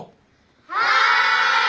はい！